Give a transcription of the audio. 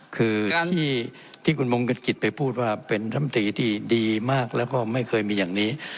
คือที่คุณมงคลกิจไปพูดว่าเป็นร่ำตีที่ดีมากแล้วก็ไม่เคยมีอย่างนี้